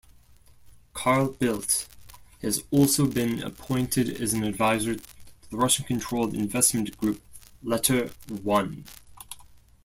Carl Bildt has also been appointed as an advisor to Russian-controlled investment group LetterOne.